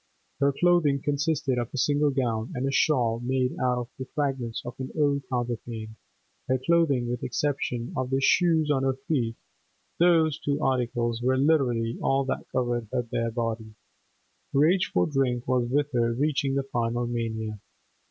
Her clothing consisted of a single gown and a shawl made out of the fragments of an old counterpane; her clothing—with exception of the shoes on her feet, those two articles were literally all that covered her bare body. Rage for drink was with her reaching the final mania.